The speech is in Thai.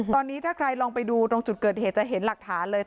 ตอนนี้ถ้าใครลองไปดูตรงจุดเกิดเหตุจะเห็นหลักฐานเลย